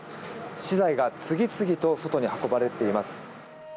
資材が次々と外に運ばれていきます。